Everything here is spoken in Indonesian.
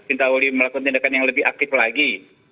minta wali melakukan tindakan yang lebih aktif lagi